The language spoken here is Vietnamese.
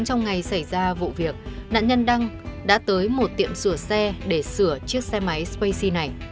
trong ngày xảy ra vụ việc nạn nhân đăng đã tới một tiệm sửa xe để sửa chiếc xe máy spacey này